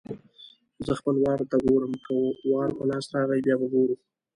زه خپل وار ته ګورم؛ که وار په لاس راغی - بیا به ګورو.